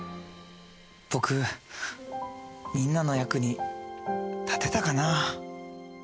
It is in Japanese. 僕みんなの役に立てたかな？